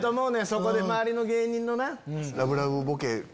そこで周りの芸人のな。